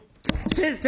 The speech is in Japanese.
「先生！